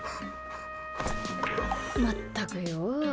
まったくよ。